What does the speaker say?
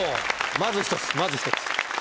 まず１つまず１つ。